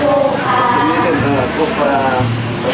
อย่างคนสาวของรักพี่